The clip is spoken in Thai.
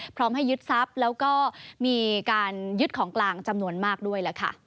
พร้อมให้ยึดทรัพย์แล้วก็มีการยึดของกลางจำนวนมากด้วยล่ะค่ะ